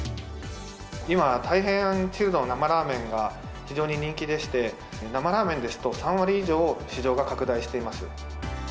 今、大変チルドの生ラーメンが非常に人気でして、生ラーメンですと３割以上、市場が拡大しています。